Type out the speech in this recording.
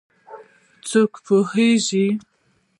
څوک پوهیږېي